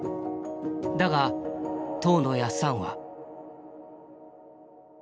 だが当のやっさんは。